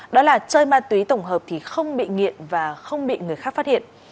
đó là chơi ma túy tổng hợp thì không bị nghiện và không bị người khác phát hiện